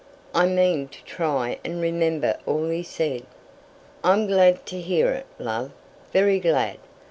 I mean to try and remember all he said." "I'm glad to hear it, love; very glad.